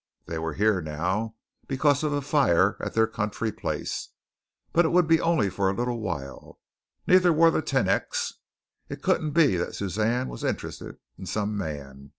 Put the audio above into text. They were here now because of a fire at their country place, but it would only be for a little while. Neither were the TenEycks. It couldn't be that Suzanne was interested in some man.